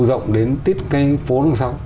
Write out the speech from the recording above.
hưu rộng đến tít cái phố đằng sau